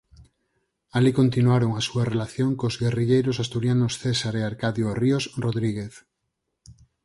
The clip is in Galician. Alí continuaron a súa relación cos guerrilleiros asturianos César e Arcadio Ríos Rodríguez.